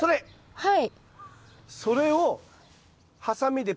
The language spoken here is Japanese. はい。